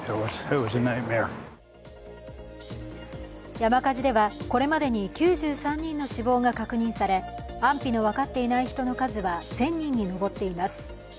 山火事では、これまでに９３人の死亡が確認され安否の分かっていない人の数は１０００人に上っています。